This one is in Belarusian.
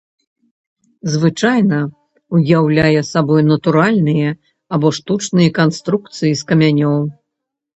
Звычайна ўяўляе сабою натуральныя або штучныя канструкцыі з камянёў.